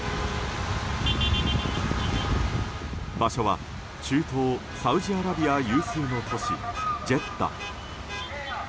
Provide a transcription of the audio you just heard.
場所は中東サウジアラビア有数の都市ジェッダ。